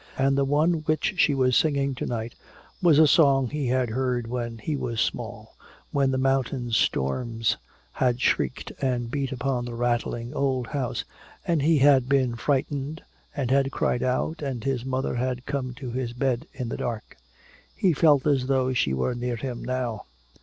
And the one which she was singing to night was a song he had heard when he was small, when the mountain storms had shrieked and beat upon the rattling old house and he had been frightened and had cried out and his mother had come to his bed in the dark. He felt as though she were near him now.